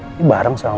ini bareng sama suria